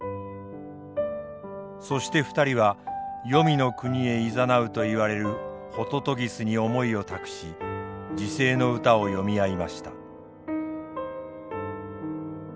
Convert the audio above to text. そして２人は黄泉の国へいざなうといわれるほととぎすに思いを託し辞世の歌を詠み合いました。